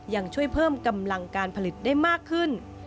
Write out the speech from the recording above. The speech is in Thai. ยังช่วยเพิ่มกำลังการผลิตได้มากขึ้น